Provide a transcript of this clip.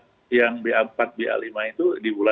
nah sekarang ini memang sesuai dengan hitungan epidemiologi